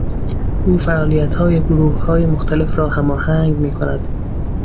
او فعالیتهای گروههای مختلف را هماهنگ میکند.